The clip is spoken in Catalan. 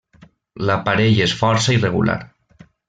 L'aparell és força irregular.